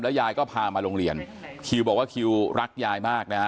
ยายก็พามาโรงเรียนคิวบอกว่าคิวรักยายมากนะฮะ